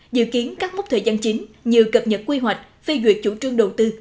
dự kiến các mốc thời gian chính như cập nhật quy hoạch phê duyệt chủ trương đầu tư